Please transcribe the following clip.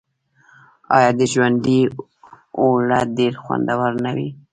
آیا د ژرندې اوړه ډیر خوندور نه وي؟